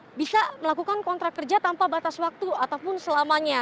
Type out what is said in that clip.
mereka bisa melakukan kontrak kerja tanpa batas waktu ataupun selamanya